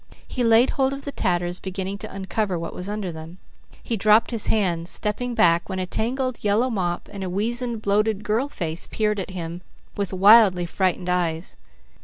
He laid hold of the tatters, beginning to uncover what was under them. He dropped his hands, stepping back, when a tangled yellow mop and a weazened, bloated girl child face peered at him, with wildly frightened eyes.